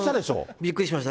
びっくりしました。